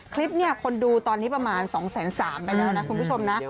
คลิปเนี่ยคนดูตอนนี้ประมาณ๒๓๐๐ไปแล้วนะคุณผู้ชมนะ